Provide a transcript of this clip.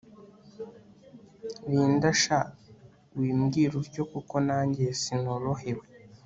Linda sha wimbwirutyo kuko nanjye sinorohewe